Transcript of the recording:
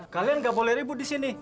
kalian gak boleh ribut di sini